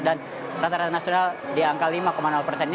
dan rata rata nasional di angka lima persen